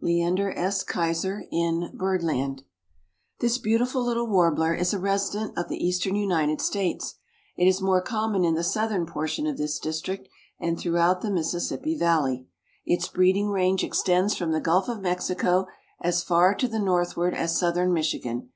—Leander S. Keyser, in Bird Land. This beautiful little warbler is a resident of the eastern United States. It is more common in the southern portion of this district and throughout the Mississippi Valley. Its breeding range extends from the Gulf of Mexico as far to the northward as southern Michigan.